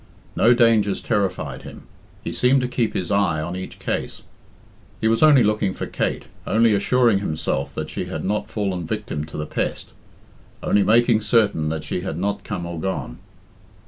No dangers terrified him; he seemed to keep his eye on each case. He was only looking for Kate, only assuring himself that she had not fallen victim to the pest, only making certain that she had not come or gone.